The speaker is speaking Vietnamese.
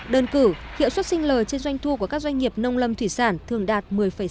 đơn cử hiệu suất sinh lời trên doanh thu của các doanh nghiệp nông lâm thủy sản thường đạt một mươi sáu